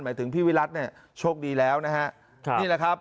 หมายถึงพี่วิรัสโชคดีแล้วนะครับ